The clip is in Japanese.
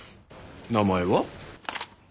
名前は？